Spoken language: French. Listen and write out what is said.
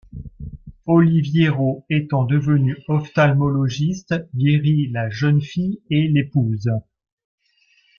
Oliviero, étant devenu ophtalmologiste, guérit la jeune fille et l'épouse.